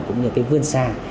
cũng như vươn sang